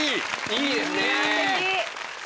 いいですね！